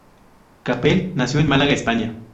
Capel nació en Málaga, España.